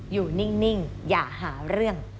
อยู่นิ่งอย่าหาเรื่อง